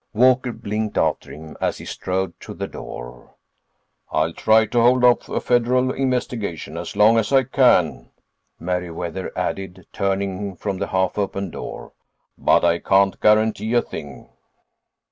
_" Walker blinked after him as he strode to the door. "I'll try to hold off a federal investigation as long as I can," Meriwether added, turning from the half opened door. "But I can't guarantee a thing."